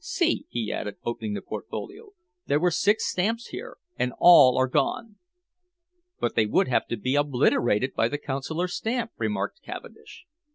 See," he added, opening the portfolio, "there were six stamps here, and all are gone." "But they would have to be obliterated by the Consular stamp," remarked Cavendish.